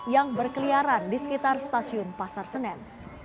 yang berkeliaran di sekitar stasiun pasar senen